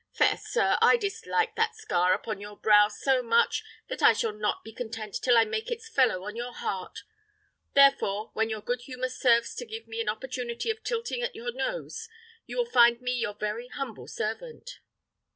Fair sir, I dislike that scar upon your brow so much that I shall not be content till I make its fellow on your heart; therefore, when your good humour serves to give me an opportunity of tilting at your nose, you will find me your very humble servant."